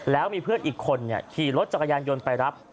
แล้วมีเพื่อนอีกคนขี่รถจักรยานยนต์ไปรับ